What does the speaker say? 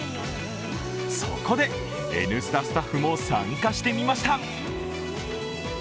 そこで「Ｎスタ」スタッフも参加してみました。